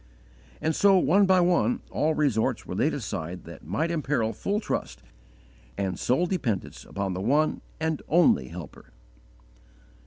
And so, one by one, all resorts were laid aside that might imperil full trust and sole dependence upon the one and only Helper.